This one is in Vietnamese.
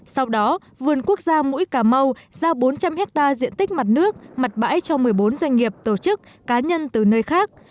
sau đó vườn quốc gia mũi cà mau giao bốn trăm linh hectare diện tích mặt nước mặt bãi cho một mươi bốn doanh nghiệp tổ chức cá nhân từ nơi khác